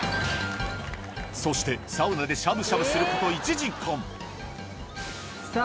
そしてサウナでしゃぶしゃぶすることよっしゃ！